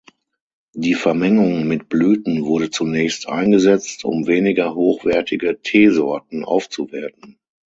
Die Vermengung mit Blüten wurde zunächst eingesetzt, um weniger hochwertige Teesorten aufzuwerten.